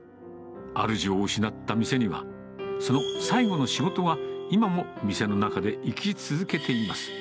主を失った店には、その最後の仕事が、今も店の中で生き続けています。